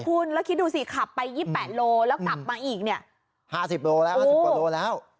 คุณแล้วคิดดูสิขับไป๒๘โลแล้วกลับมาอีกเนี่ย๕๐โลแล้ว๕๐กว่าโลแล้ว